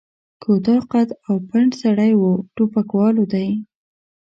کوتاه قد او پنډ سړی و، ټوپکوالو دی.